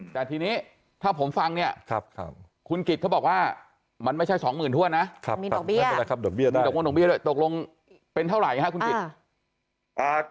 แต่ทีนี้ถ้าผมฟังเนี่ยคุณกิจก็บอกว่ามันไม่ใช่๒๐๐๐๐ถ้วนนะตกลงเป็นเท่าไหร่ครับคุณกิจ